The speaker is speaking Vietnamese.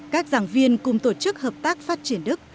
các giảng viên cùng tổ chức hợp tác phát triển đức